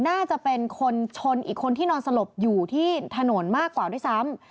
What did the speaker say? น่าจะเป็นคนชนอีกคนที่นอนสลบอยู่ที่ถนนมากกว่าด้วยซ้ำ